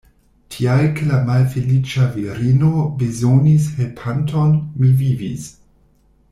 Tial ke la malfeliĉa virino bezonis helpanton, mi vivis.